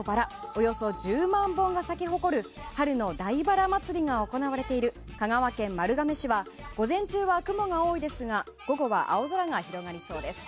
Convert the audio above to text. およそ１０万本が咲き誇る春の大バラまつりが行われている香川県丸亀市は午前中は雲が多いですが午後は青空が広がりそうです。